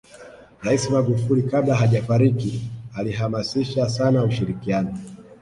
rais magufuli kabla hajafariki alihamasisha sana ushirikianao